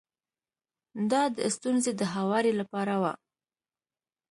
دا د ستونزې د هواري لپاره و.